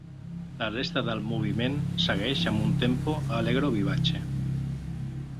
La resta del moviment segueix amb un tempo allegro vivace.